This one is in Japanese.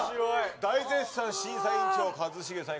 大絶賛審査委員長一茂さん